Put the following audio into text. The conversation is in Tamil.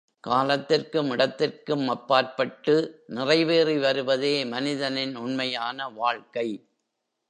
காலத்திற்கும் இடத்திற்கும் அப்பாற்பட்டு நிறைவேறி வருவதே மனிதனின் உண்மையான வாழ்க்கை.